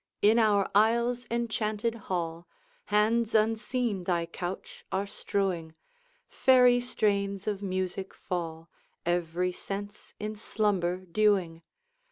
In our isle's enchanted hall, Hands unseen thy couch are strewing, Fairy strains of music fall, Every sense in slumber dewing.